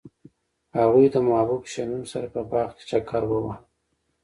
هغوی د محبوب شمیم سره په باغ کې چکر وواهه.